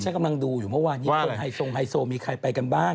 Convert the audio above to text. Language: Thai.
กำลังดูอยู่เมื่อวานนี้คนไฮทรงไฮโซมีใครไปกันบ้าง